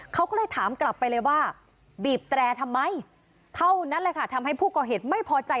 เขาก็เลยถามกลับไปเลยว่าบีบแตรทำไมเท่านั้นแหละค่ะทำให้ผู้ก่อเหตุไม่พอใจ